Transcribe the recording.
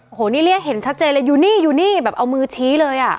โอ้โหนี่เรียกเห็นชัดเจนเลยอยู่นี่อยู่นี่แบบเอามือชี้เลยอ่ะ